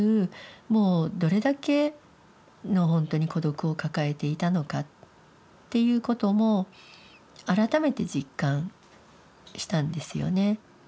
もうどれだけのほんとに孤独を抱えていたのかっていうことも改めて実感したんですよね。